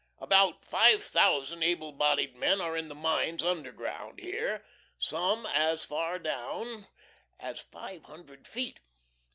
About five thousand able bodied men are in the mines underground, here; some as far down as five hundred feet.